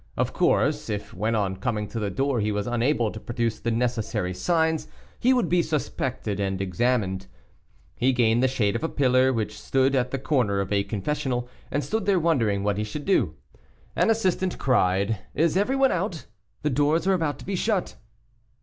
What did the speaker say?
Of course, if when on coming to the door he was unable to produce the necessary signs, he would be suspected and examined. He gained the shade of a pillar, which stood at the corner of a confessional, and stood there wondering what he should do. An assistant cried, "Is everyone out, the doors are about to be shut."